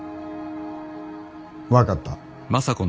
分かった。